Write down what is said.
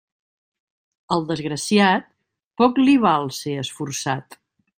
Al desgraciat, poc li val ser esforçat.